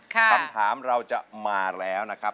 คำถามเราจะมาแล้วนะครับ